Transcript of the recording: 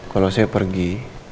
kalau saya pergi